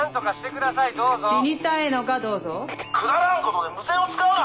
くだらんことで無線を使うな！